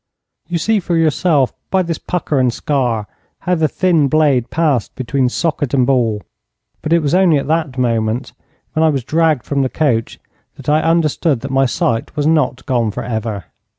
You see for yourself by this pucker and scar how the thin blade passed between socket and ball, but it was only at that moment, when I was dragged from the coach, that I understood that my sight was not gone for ever.